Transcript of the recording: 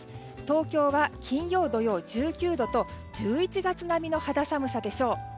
東京は金曜、土曜１９度と１１月並みの肌寒さでしょう。